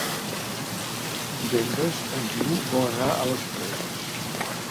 Divendres en Guiu vol anar a les Preses.